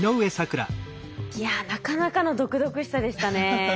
いやなかなかの毒々しさでしたね。